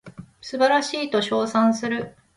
素晴らしいと称賛する